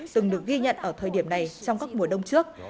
từng được ghi nhận ở thời điểm này trong các mùa đông trước